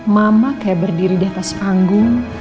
mama kayak berdiri di atas panggung